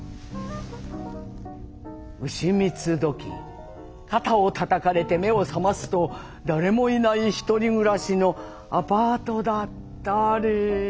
「丑三つ時肩をたたかれて目を覚ますと誰もいない１人暮らしのアパートだったり」。